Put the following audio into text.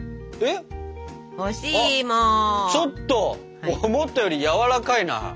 ちょっと思ったよりやわらかいな。